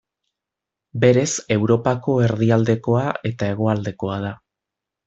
Berez Europako erdialdekoa eta hegoaldekoa da.